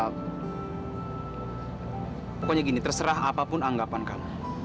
pokoknya gini terserah apapun anggapan kami